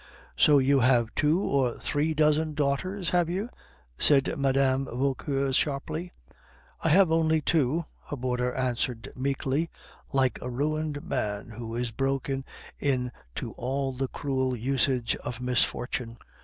"So you have two or three dozen daughters, have you?" said Mme. Vauquer sharply. "I have only two," her boarder answered meekly, like a ruined man who is broken in to all the cruel usage of misfortune.